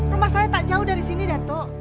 rumah saya tak jauh dari sini dato